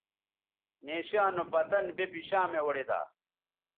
نیشاں نو پتن بے بشامےاوڑیدا